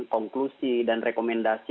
konklusi dan rekomendasi